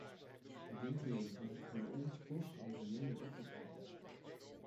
Bedenkt u eens wat het ons kost om het milieu weer op te knappen!